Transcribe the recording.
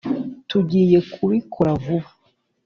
tugiye kubikora vuba.